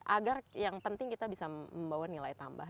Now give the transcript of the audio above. agar yang penting kita bisa membawa nilai tambah